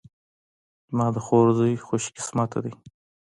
زما د خور زوی خوش قسمته ده